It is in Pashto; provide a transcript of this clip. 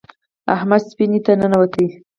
احمد سفینې ته ننوت.